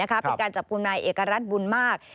เป็นการจับกลุ่มนายเอกรัฐบุญมาก